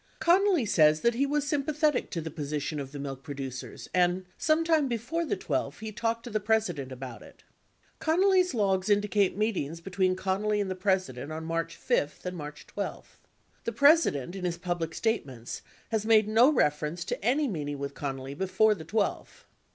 45 Connally says that he was sympathetic to the position of the milk producers and, sometime before the 12th, he talked to the President about it. 46 Connally's logs indicate meetings between Connally and the President on March 5 and March 11. The President, in his public statements, has made no reference to any meeting with Connally before the 12th.